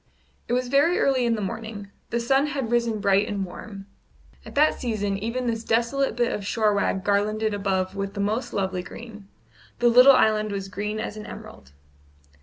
It was very early in the morning; the sun had risen bright and warm. At that season even this desolate bit of shore wag garlanded above with the most lovely green; the little island was green as an emerald.